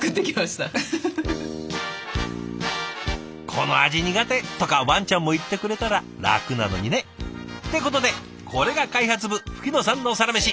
「この味苦手」とかワンちゃんも言ってくれたら楽なのにね。ってことでこれが開発部吹野さんのサラメシ。